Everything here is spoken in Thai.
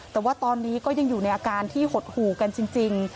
แต่ว่าตอนนี้ก็ยังอยู่ในอาการที่หดหู่กันจริง